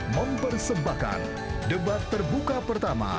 mempersembahkan debat terbuka pertama